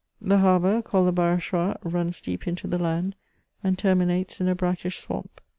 The harbour, called the Ba* rachois^ runs deep into the land, and terminates in a brackish swamp.